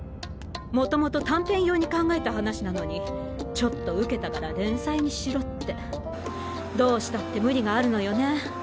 元々短編用に考えた話なのにちょっと受けたから連載にしろってどうしたって無理があるのよね。